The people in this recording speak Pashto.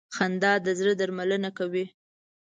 خندا د زړه درملنه کوي.